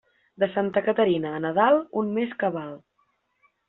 De Santa Caterina a Nadal, un mes cabal.